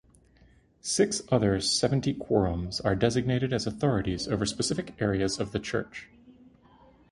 Six other seventy quorums are designated as authorities over specific areas of the church.